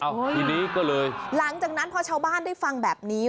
ทีนี้ก็เลยหลังจากนั้นพอชาวบ้านได้ฟังแบบนี้